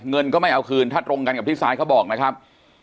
เงินก็ไม่เอาคืนถ้าตรงกันกับที่ซายเขาบอกนะครับ